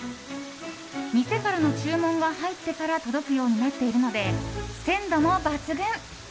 店からの注文が入ってから届くようになっているので鮮度も抜群。